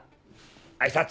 挨拶。